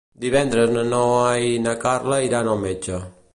Divendres na Noa i na Carla iran al metge.